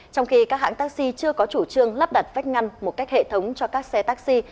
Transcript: trong khi các hãng taxi chưa có chủ trương lắp đặt vách ngăn một cách hệ thống cho các xe taxi